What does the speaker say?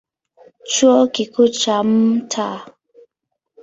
Chuo Kikuu cha Mt.